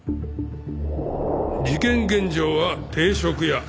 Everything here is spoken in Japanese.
事件現場は定食屋。